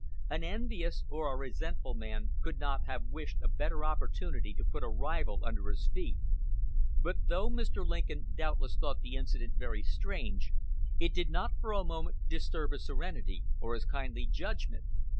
An envious or a resentful man could not have wished a better opportunity to put a rival under his feet; but though Mr. Lincoln doubtless thought the incident very strange, it did not for a moment disturb his serenity or his kindly judgment.